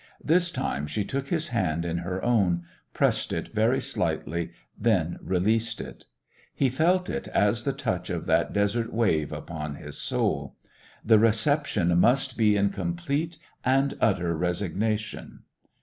This time she took his hand in her own, pressed it very slightly, then released it. He felt it as the touch of that desert wave upon his soul. "The reception must be in complete and utter resignation.